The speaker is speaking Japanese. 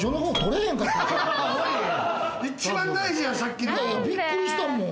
一番大事やんさっきの！